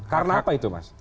karena apa itu mas